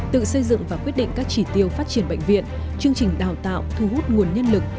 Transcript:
tự xây dựng và quyết định các chỉ tiêu phát triển bệnh viện chương trình đào tạo thu hút nguồn nhân lực